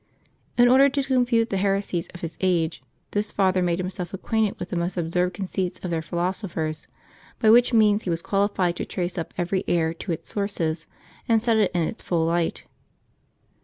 In order to confute the heresies of his age, this father made himself acquainted with the most absurd conceits of their philosophers, by which means he was qualified to trace up every error to its sources and set it in its full light.